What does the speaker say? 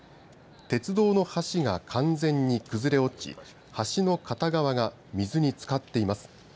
鉄道の橋が完全に崩れ落ち橋の片側が水につかっています。